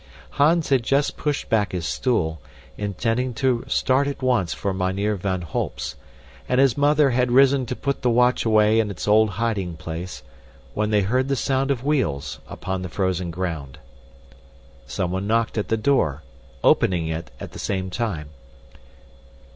Hans had just pushed back his stool, intending to start at once for Mynheer van Holp's, and his mother had risen to put the watch away in its old hiding place, when they heard the sound of wheels upon the frozen ground. Someone knocked at the door, opening it at the same time.